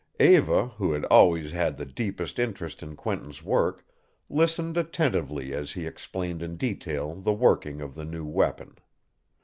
Eva, who had always had the deepest interest in Quentin's work, listened attentively as he explained in detail the working of the new weapon.